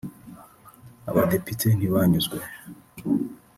Abadepite ntibanyuzwe